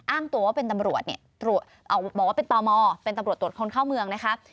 อ้างตัวว่าเป็นปลอมอร์เป็นตำรวจตรวจคนเข้าเมืองนะคะ